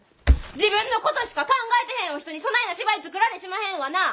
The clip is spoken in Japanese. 自分のことしか考えてへんお人にそないな芝居作られしまへんわな。